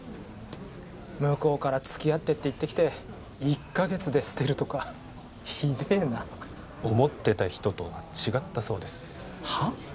向こうからつきあってって言ってきて１カ月で捨てるとかひでえな思ってた人とは違ったそうですはっ？